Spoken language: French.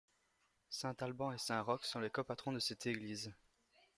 Saint Alban et saint Roch sont les co-patrons de cette église.